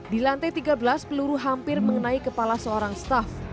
di lantai tiga belas peluru hampir mengenai kepala seorang staff